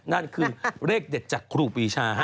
นั่นคือเลขเด็ดจากครูปีชา